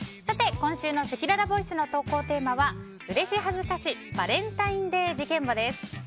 今週のせきららボイスの投稿テーマはうれし恥ずかしバレンタインデー事件簿です。